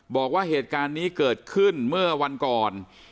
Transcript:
บอกว่าเหตุการณ์นี้เกิดขึ้นเมื่อวันก่อน